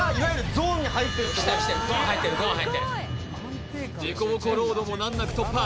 ゾーン入ってるゾーン入ってる凸凹ロードも難なく突破